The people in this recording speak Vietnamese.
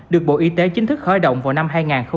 được bộ y tế chính thức khởi động vào năm hai nghìn một mươi sáu